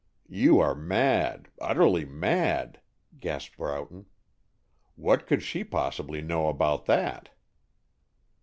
"You are mad, utterly mad," gasped Broughton. "What could she possibly know about that?"